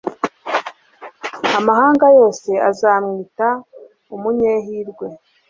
amahanga yose azamwita umunyehirwe